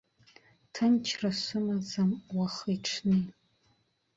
Ҭынчра сымаӡам уахи-ҽни.